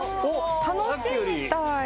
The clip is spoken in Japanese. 楽しいみたい。